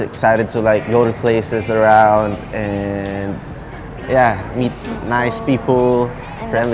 คุณทั่วโลกรู้จักคุณได้อย่างไร